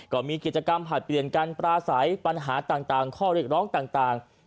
ก็มีกิจกรรมผ่านเปลี่ยนการปราศัยปัญหาต่างข้อเรียกร้องต่าง